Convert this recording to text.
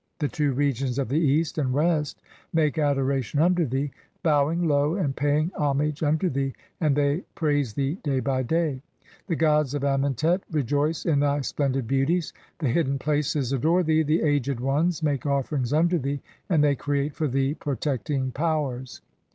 The two regions of the East and "West make adoration unto thee, bowing low and paying ho "mage unto thee and thev praise thee day by day ; the gods of "Amentet rejoice in thy splendid beauties. The hidden places "adore thee, the aged ones make offerings unto thee, and they "create for thee protecting powers.